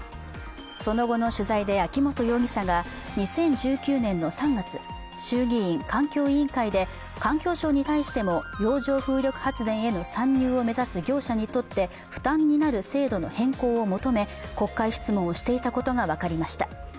その後の取材で秋本容疑者が２０１９年の３月、衆議院環境委員会で環境省に対しても、洋上風力発電への参入を目指す業者にとって負担になる制度の変更を求め国会質問をしていたことが分かりました。